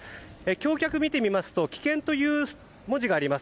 橋脚を見てみますと危険という文字があります。